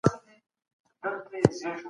پنځلس تر څوارلسو ډېر دي.